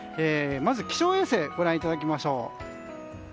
まず、気象衛星をご覧いただきましょう。